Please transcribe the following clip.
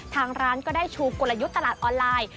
ทางร้านก็ได้ชูกลยุทธ์ตลาดออนไลน์